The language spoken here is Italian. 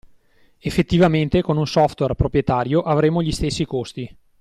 Effettivamente con un software proprietario avremo gli stessi costi.